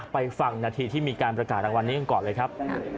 ไปฟังนาทีที่มีการประกาศรางวัลนี้กันก่อนเลยครับ